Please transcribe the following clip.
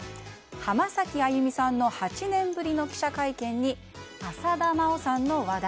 浜崎あゆみさんの８年ぶりの記者会見に浅田真央さんの話題。